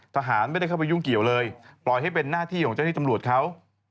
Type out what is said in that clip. ทหารไม่ได้เข้าไปยุ่งเกี่ยวเลยปล่อยให้เป็นหน้าที่ของเจ้าที่ตำรวจเขา